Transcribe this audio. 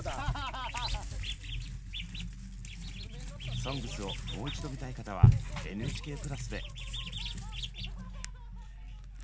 「ＳＯＮＧＳ」をもう一度見たい方はＮＨＫプラスで。